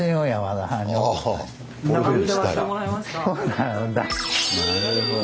なるほど。